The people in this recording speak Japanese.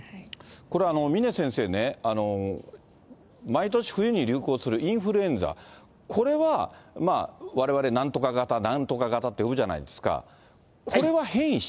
これ、峰先生ね、毎年冬に流行するインフルエンザ、これはわれわれなんとか型、なんとか型って呼ぶじゃないですか。